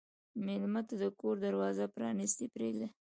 مېلمه ته د کور دروازه پرانستې پرېږده.